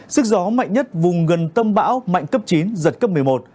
sức gió mạnh nhất vùng gần tâm bão mạnh cấp chín giật cấp một mươi một